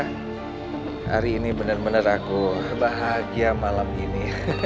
hari ini benar benar aku bahagia malam ini